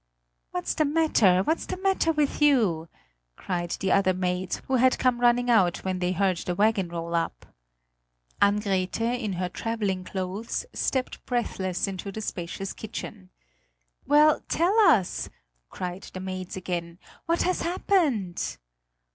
"What's the matter? What's the matter with you?" cried the other maids, who had come running out when they heard the wagon roll up. Ann Grethe in her travelling clothes stepped breathless into the spacious kitchen. "Well, tell us," cried the maids again, "what has happened?"